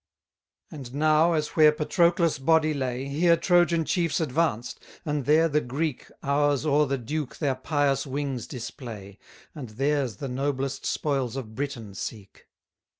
64 And now, as where Patroclus' body lay, Here Trojan chiefs advanced, and there the Greek Ours o'er the Duke their pious wings display, And theirs the noblest spoils of Britain seek.